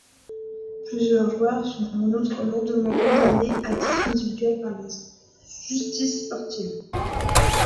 Plusieurs joueurs sont en outre lourdement condamnés à titre individuel par la justice sportive.